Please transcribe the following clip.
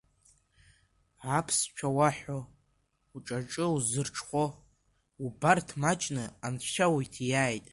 Аԥсшәа уаҳәо, уҿаҿы узырҽхәо, убарҭ маҷны Анцәа иуҭиааит!